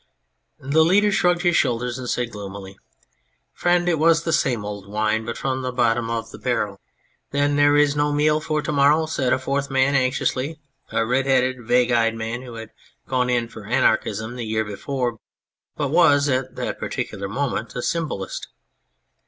The leader shrugged his shoulders, and said gloomily :" Friend, it was the same old wine, but from the bottom of the barrel." "Then there is no meal for to morrow," said a fourth man, anxiously, a red headed, vague eyed man who had gone in for Anarchism the year before, but was at that particular moment a Symbolist.